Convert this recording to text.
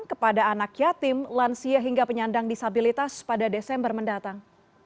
kepada anak yatim lansia hingga penyandang disabilitas pada desember mendatang